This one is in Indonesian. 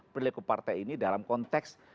perilaku partai ini dalam konteks